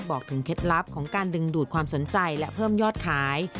บอกถึงเคล็ดลับของการดึงดูดความสนใจและเพิ่มยอดขาย